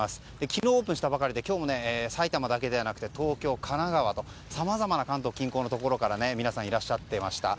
昨日オープンしたばかりで今日も埼玉だけでなく東京、神奈川とさまざまな関東近郊のところからみなさんいらっしゃってました。